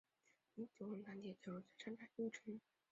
邻近九龙塘铁路站和商场又一城。